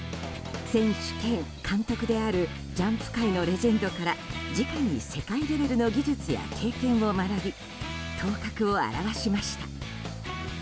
選手兼監督であるジャンプ界のレジェンドからじかに世界レベルの技術や経験を学び頭角を現しました。